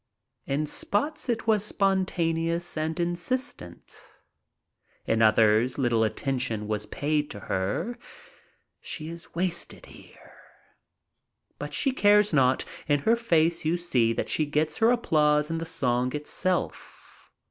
In spots it was spontaneous and insistent. In others little attention was paid to her. She is wasted here. But she cares not. In her face you can see that she gets her applause in the song itself.